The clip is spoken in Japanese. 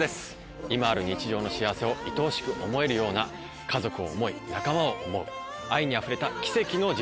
今ある日常の幸せをいとおしく思えるような家族を思い仲間を思う愛にあふれた奇跡の実話です。